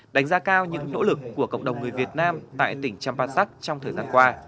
đánh giá cao những nỗ lực của cộng đồng người việt nam tại tỉnh champasak trong thời gian qua